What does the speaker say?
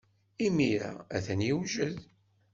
Imir-a, atan yewjed.